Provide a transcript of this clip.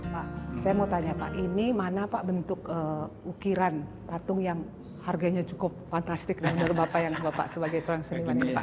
saya mau tanya pak ini mana pak bentuk ukiran patung yang harganya cukup fantastik menurut bapak sebagai seorang seniman ini